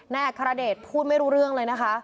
อัครเดชพูดไม่รู้เรื่องเลยนะคะ